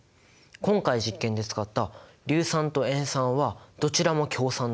今回実験で使った硫酸と塩酸はどちらも強酸だった。